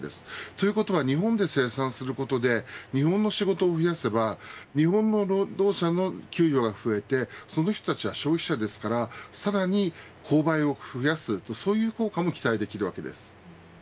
ということは日本で生産することで日本の仕事を増やせば日本の労働者の給料が増えてその人たちは消費者ですからさらに購買を増やすとそういう効果も期待できるわけです。